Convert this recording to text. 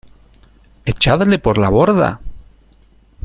¡ Echadle por la borda!